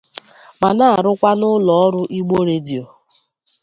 ma na-arụkwa n'ụlọ ọrụ Igbo Radio.